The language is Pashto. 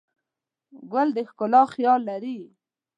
ګل د ښکلا خیال لري.